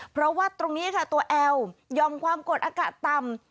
เพราะว่าตรงนี้ค่ะตัวแอลยอมความกดอากาศต่ำ